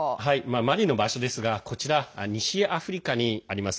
マリの場所ですが、こちら西アフリカにあります。